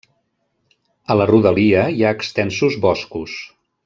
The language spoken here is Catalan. A la rodalia hi ha extensos boscos.